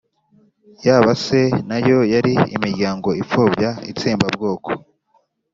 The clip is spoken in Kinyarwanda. yaba se na yo ari imiryango ipfobya itsembabwoko?